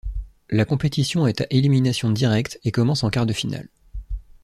La compétition est à élimination directe et commence en quart de finale.